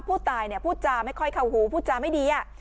ผู้ตายเนี่ยผู้จาไม่ค่อยเข้าหูผู้จาไม่ดีอ่ะ